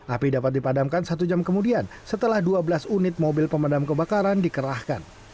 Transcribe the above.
api dapat dipadamkan satu jam kemudian setelah dua belas unit mobil pemadam kebakaran dikerahkan